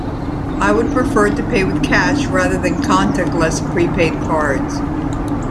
I would prefer to pay with cash rather than contactless prepaid cards.